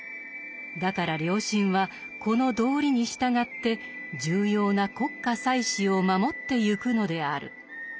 だから良臣はこの道理に従って重要な国家祭祀を守ってゆくのである。